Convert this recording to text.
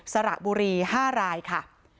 สระบุรี๕รายค่ะ